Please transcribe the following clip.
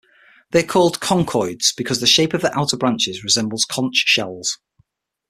They are called conchoids because the shape of their outer branches resembles conch shells.